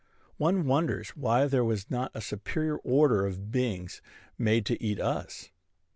One wonders why there was not a superior order of beings made to eat us.